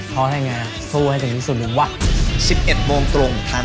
เพราะให้ไงสู้ให้สุดที่สุดว่ะ